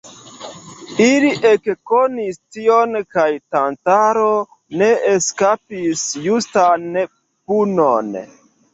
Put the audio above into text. Ili ekkonis tion kaj Tantalo ne eskapis justan punon.